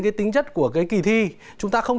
cái tính chất của cái kỳ thi chúng ta không